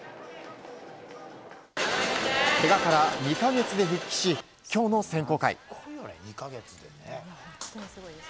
けがから２か月で復帰し今日の選考会。